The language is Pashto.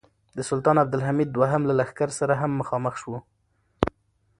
د سلطان عبدالحمید دوهم له لښکر سره هم مخامخ شو.